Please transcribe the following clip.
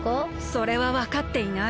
それはわかっていない。